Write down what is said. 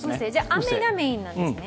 雨がメインなんですね。